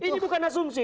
ini bukan asumsi